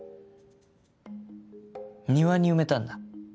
庭に埋めたんだ。